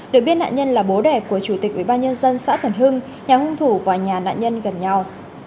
được biết nạn nhân là bố đẻ của chủ tịch ubnd xã cần hưng nhà hung thủ và nhà nạn nhân gần nhau